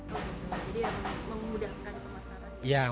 jadi ya memudahkan pemasaran